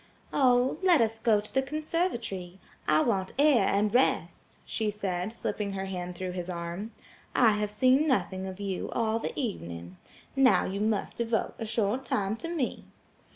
"Oh, let us go to the conservatory. I want air and rest," she said, slipping her hand through his arm. "I have seen nothing of you all the evening. Now you must devote a short time to me."